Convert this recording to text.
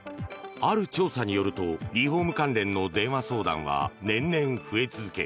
ある調査によるとリフォーム関連の電話相談は年々増え続け